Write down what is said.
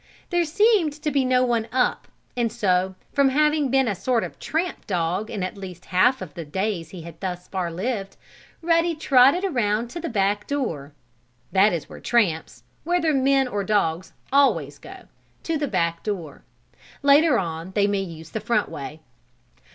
There seemed to be no one up, and so, from having been a sort of a tramp dog in at least half of the days he had thus far lived, Ruddy trotted around to the back door. That is where tramps whether men or dogs always go; to the back door. Later on they may use the front way.